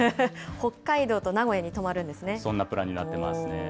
北海道と名古屋に泊まるんでそんなプランになってますね。